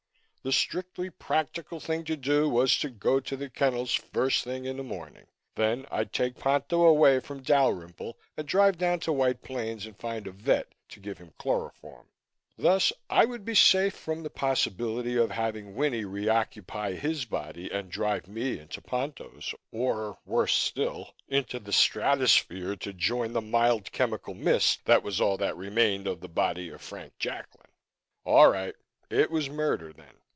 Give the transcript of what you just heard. The strictly practical thing to do was to go to the kennels first thing in the morning. Then I'd take Ponto away from Dalrymple and drive down to White Plains and find a vet to give him chloroform. Thus I would be safe from the possibility of having Winnie reoccupy his body and drive me into Ponto's or, worse still, into the stratosphere to join the mild chemical mist that was all that remained of the body of Frank Jacklin. All right, it was murder then.